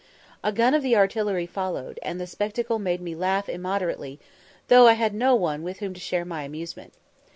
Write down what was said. A gun of the artillery followed, and the spectacle made me laugh immoderately, though I had no one with whom to share my amusement.